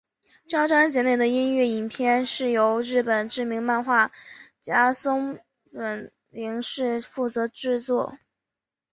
这张专辑内的音乐影片还是由日本知名漫画家松本零士负责制作。